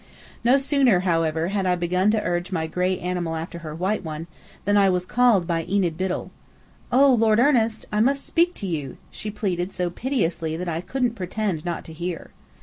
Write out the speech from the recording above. No sooner, however, had I begun to urge my gray animal after her white one, than I was called by Enid Biddell. "Oh, Lord Ernest! I must speak to you!" she pleaded so piteously that I couldn't pretend not to hear.